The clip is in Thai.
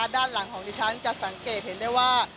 ด้านหลังของดิฉันจะสังเกตเห็นได้ว่า